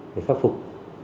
để phát phục